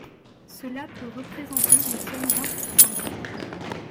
Cela peut représenter des sommes importantes.